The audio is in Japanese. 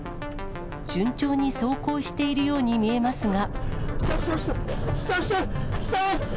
順調に走行しているように見えますが。